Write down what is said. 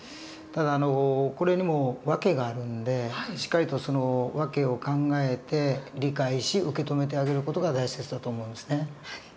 ただこれにも訳があるんでしっかりとその訳を考えて理解し受け止めてあげる事が大切だと思うんですね。